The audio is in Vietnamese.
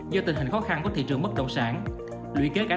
do tình hình khó khăn của doanh nghiệp